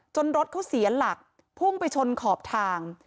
รถเขาเสียหลักพุ่งไปชนขอบทาง